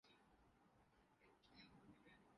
sodium ion سے ب